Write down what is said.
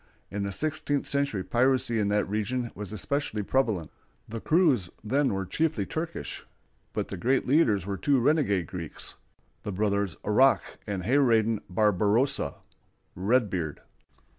In the sixteenth century piracy in that region was especially prevalent. The crews then were chiefly Turkish, but the great leaders were two renegade Greeks, the brothers Aruck and Hayradin Barbarossa ("Redbeard").